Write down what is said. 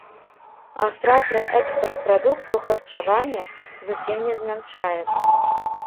А стратны экспарт прадуктаў харчавання зусім не змяншаецца.